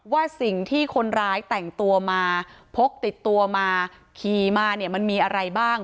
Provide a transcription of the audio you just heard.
ว่าสิ่งที่คนร้ายแต่งตัวมาพกติดตัวมาขี่มาเนี่ยมันมีอะไรบ้าง